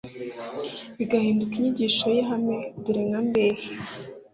bigahinduka inyigisho y’ihame Dore nka Mbehe